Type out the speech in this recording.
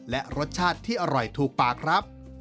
และรสชาติที่อร่อยถูกปากครับ